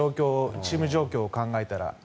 チーム状況を考えたら。